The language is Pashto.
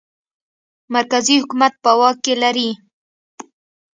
مرکزي حکومت په واک کې لري.